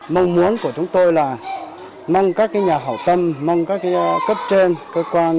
mong muốn của chúng tôi là mong các nhà hảo tâm mong các cấp trên cơ quan